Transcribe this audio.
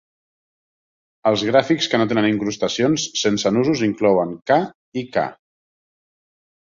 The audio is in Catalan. Els gràfics que no tenen incrustacions sense nusos inclouen "K" i "K".